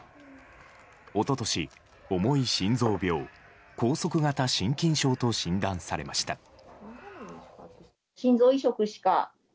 一昨年、重い心臓病拘束型心筋症と診断されました。